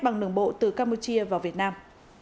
bằng đường bộ từ campuchia vào việt nam